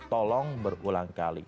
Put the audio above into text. tolong berulang kali